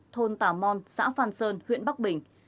thôn tà mon xã phan sơn huyện bắc bình